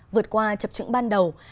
vượt qua chập chững ban đầu